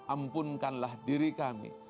ampunkanlah diri kami